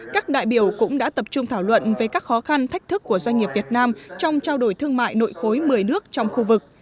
các đại biểu cũng đã tập trung thảo luận về các khó khăn thách thức của doanh nghiệp việt nam trong trao đổi thương mại nội khối một mươi nước trong khu vực